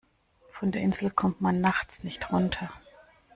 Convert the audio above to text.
Von der Insel kommt man nachts nicht runter.